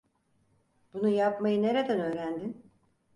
Bunu yapmayı nereden öğrendin?